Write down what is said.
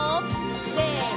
せの！